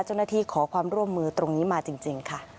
เจ้าหน้าที่ขอความร่วมมือตรงนี้มาจริงค่ะ